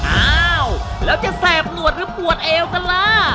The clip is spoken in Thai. อ้าวแล้วจะแสบหนวดหรือปวดเอวกันล่ะ